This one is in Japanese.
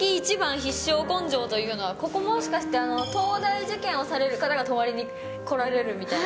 必勝根性というのは、ここ、もしかして、東大受験をされる方が泊まりに来られるみたいな？